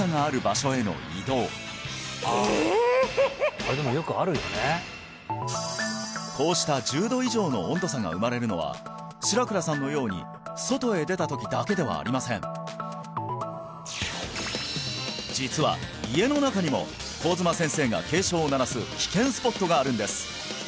これでもよくあるよねこうした１０度以上の温度差が生まれるのは白倉さんのように外へ出た時だけではありません実は家の中にも上妻先生が警鐘を鳴らす危険スポットがあるんです